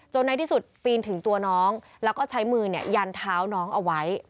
ในที่สุดปีนถึงตัวน้องแล้วก็ใช้มือยันเท้าน้องเอาไว้